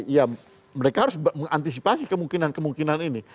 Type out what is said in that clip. ya mereka harus mengantisipasi kemungkinan kemungkinan ini